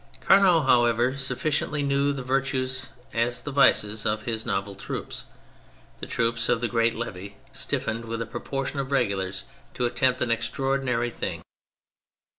Carnot, however, sufficiently knew the vir tues as the vices of his novel troops, the troops of the great levy, stiffened with a proportion of regulars, to attempt an extra ordinary thing.